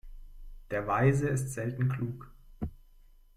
Der Weise ist selten klug.